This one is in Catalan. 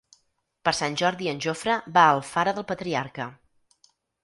Per Sant Jordi en Jofre va a Alfara del Patriarca.